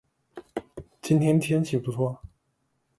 今天天气不错